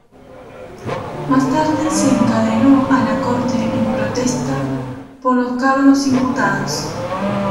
Más tarde se encadenó a la corte en protesta por los cargos imputados.